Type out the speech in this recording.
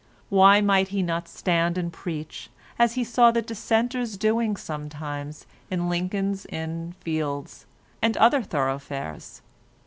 Why might he not stand and preach as he saw the Dissenters doing sometimes in Lincoln's Inn Fields and other thoroughfares?